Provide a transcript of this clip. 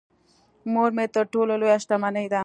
مور مې تر ټولو لويه شتمنی ده .